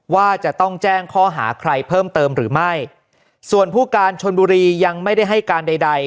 ว่าจะต้องแจ้งข้อหาใครเพิ่มเติมหรือไม่ส่วนผู้การชนบุรียังไม่ได้ให้การใดใด